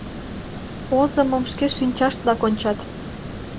Озымым шке шинчаштлак ончат.